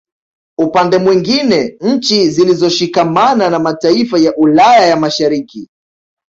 Upande mwingine nchi zilizoshikamana na mataifa ya Ulaya ya Mashariki